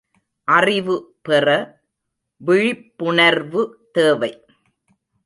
அறிவு பெற விழிப்புணர்வு தேவை.